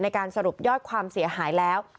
ในการสรุปยอดความเสียหายแล้ว